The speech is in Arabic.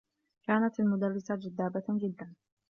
كانت المدرّسة جذّابة جدّا.